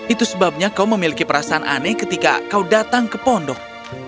itu sebabnya kau memiliki perasaan aneh ketika kau datang ke pondok